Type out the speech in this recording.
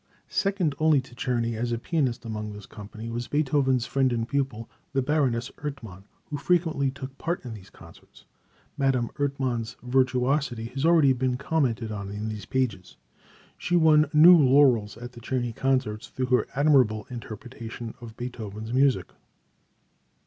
Second only to Czerny as a pianist among this company was Beethoven's friend and pupil, the Baroness Ertmann, who frequently took part in these concerts. Madame Ertmann's virtuosity has already been commented on in these pages. She won new laurels at the Czerny concerts through her admirable interpretation of Beethoven's music.